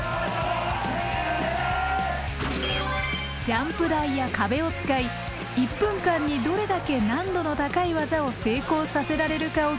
ジャンプ台や壁を使い１分間にどれだけ難度の高い技を成功させられるかを競う。